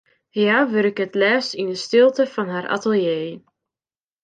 Hja wurke it leafst yn 'e stilte fan har atelier.